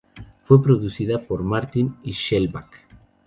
Fue producida por Martin y Shellback.